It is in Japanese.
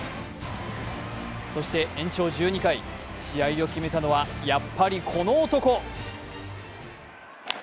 そして延長１２回、試合を決めたのはやっぱりこの男。